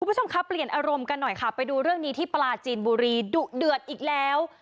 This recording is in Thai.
คุณผู้ชมครับเปลี่ยนอารมณ์กันหน่อยค่ะไปดูเรื่องนี้ที่ปลาจีนบุรีดุเดือดอีกแล้ว